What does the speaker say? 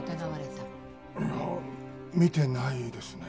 いや見てないですね。